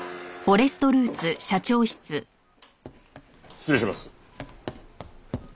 失礼します。